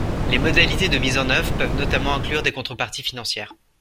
» Les modalités de mise en œuvre peuvent notamment inclure des contreparties financières.